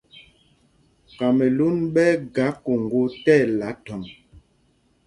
Kamɛlûn ɓɛ́ ɛ́ ga Koŋgō tí ɛla thɔ̂ŋ.